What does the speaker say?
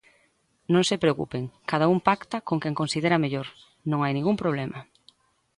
Non se preocupen, cada un pacta con quen considera mellor, non hai ningún problema.